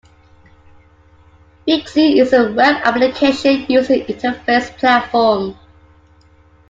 Vexi is a web application user interface platform.